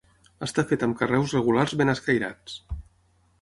Està fet amb carreus regulars ben escairats.